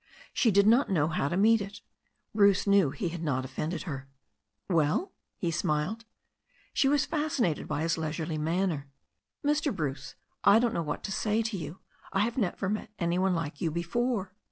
She did not know how to meet it. Bruce knew he had not offended her. "Well ?" he smiled. She was fascinated by his leisurely manner. "Mr. Bruce, I don't know what to say to you. I have never met any one like you before."